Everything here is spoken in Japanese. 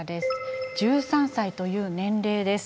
１３歳という年齢です。